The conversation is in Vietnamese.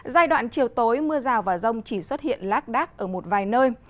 giai đoạn chiều tối mưa rào và rông chỉ xuất hiện lác đác ở một vài nơi